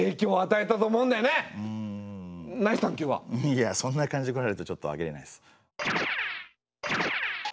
いやそんな感じで来られるとちょっとあげれないです。